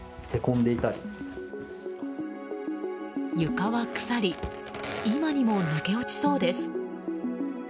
床は腐り今にも抜け落ちそうです。